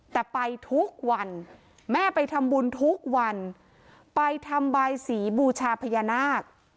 แต่ไปทุกวันแม่ไปทำบุญทุกวันไปทำบายสีบูชาพญานาค